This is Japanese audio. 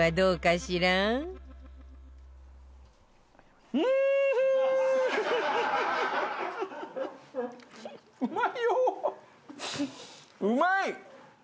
うまい！